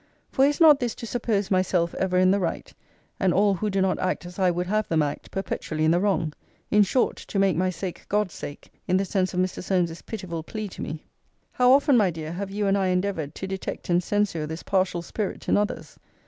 For is not this to suppose myself ever in the right; and all who do not act as I would have them act, perpetually in the wrong? In short, to make my sake God's sake, in the sense of Mr. Solmes's pitiful plea to me? How often, my dear, have you and I endeavoured to detect and censure this partial spirit in others?